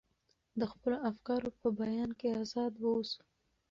د خپلو افکارو په بیان کې ازاد واوسو.